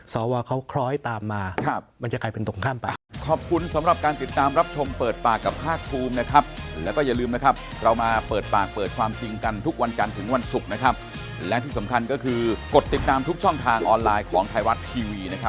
สวเขาคล้อยตามมามันจะกลายเป็นตรงข้ามไป